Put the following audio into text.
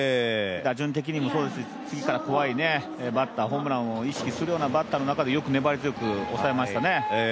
打順的にもそうですし次から怖いホームランを意識するようなバッターの中でよく押さえましたね。